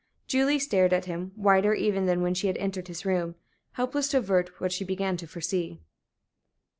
Julie stared at him, whiter even than when she had entered his room helpless to avert what she began to foresee.